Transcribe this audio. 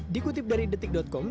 dikutip dari detik com